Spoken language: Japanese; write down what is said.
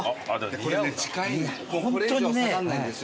これ以上下がんないんですよ